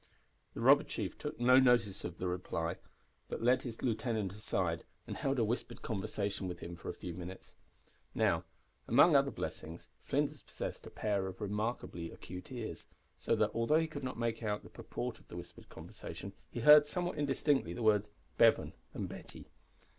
The robber chief took no notice of the reply, but led his lieutenant aside and held a whispered conversation with him for a few minutes. Now, among other blessings, Flinders possessed a pair of remarkably acute ears, so that, although he could not make out the purport of the whispered conversation, he heard, somewhat indistinctly, the words "Bevan" and "Betty."